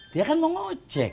dia kan mau ngojek